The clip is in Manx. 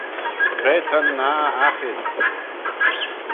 Cre ta'n nah aghin?